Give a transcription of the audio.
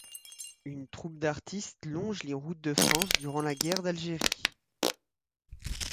Une troupe d'artiste longe les routes de France durant la guerre d'Algérie.